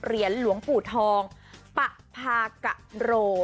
เหรียญหลวงปู่ทองปะพากะโร